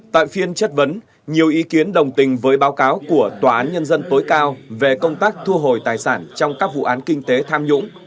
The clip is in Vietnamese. tại phiên chất vấn nhiều ý kiến đồng tình với báo cáo của tòa án nhân dân tối cao về công tác thu hồi tài sản trong các vụ án kinh tế tham nhũng